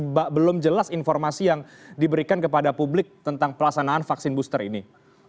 mbak belum jelas informasi yang diberikan kepada publik tentang pelaksanaan vaksin booster ini